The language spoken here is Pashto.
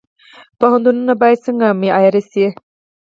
پوهنتونونه باید څنګه معیاري شي؟